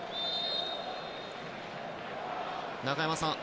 中山さん